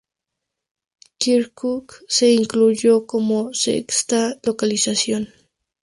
Kirkuk se incluyó como sexta localización.